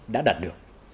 đã đạt được